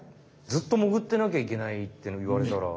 ずっと潜ってなきゃいけないっていわれたら。